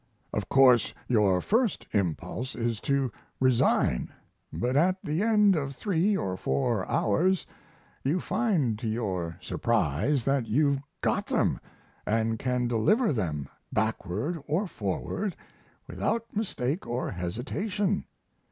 Of course your first impulse is to resign, but at the end of three or four hours you find to your surprise that you've GOT them and can deliver them backward or forward without mistake or hesitation.